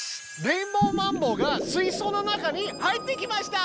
レインボーマンボウがすいそうの中に入ってきました！